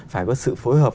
phải có sự phối hợp